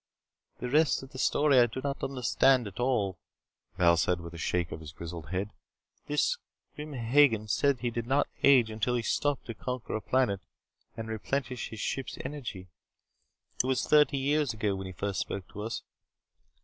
"The rest of the story I do not understand at all," Val said with a shake of his grizzled head. "This Grim Hagen said that he did not age until he stopped to conquer a planet and replenish his ship's energy. It was thirty years ago when he first spoke to us.